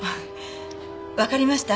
わかりました。